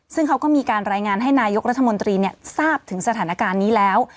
ซึ่งเขาก็มีการรายงานให้นายกรัฐมนตรีทราบถึงสถานการณ์นี้แล้ว